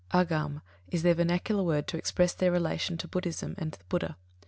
Āgama is their vernacular word to express their relation to Buddhism and the BUDDHA.